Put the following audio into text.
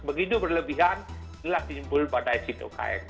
begitu berlebihan adalah timbul pada esitokain